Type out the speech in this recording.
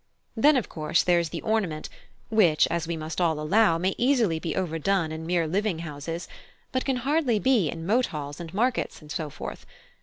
Then, of course, there is the ornament, which, as we must all allow, may easily be overdone in mere living houses, but can hardly be in mote halls and markets, and so forth.